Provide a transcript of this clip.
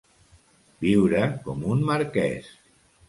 Viure com un marquès.